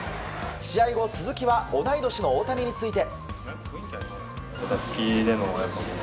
試合後、鈴木は同い年の大谷について。